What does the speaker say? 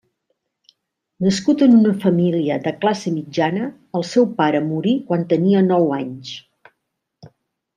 Nascut en una família de classe mitjana, el seu pare morí quan tenia nou anys.